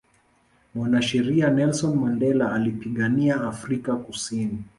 mwanasheria nelson mandela alipigania Afrika kusini